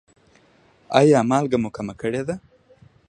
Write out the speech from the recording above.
ایا مالګه مو کمه کړې ده؟